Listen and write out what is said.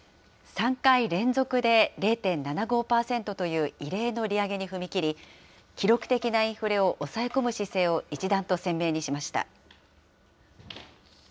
３回連続で、０．７５％という異例の利上げに踏み切り、記録的なインフレを抑え込む姿勢を一段と鮮明にしました。